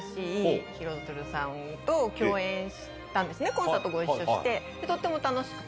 コンサートご一緒してとっても楽しくて。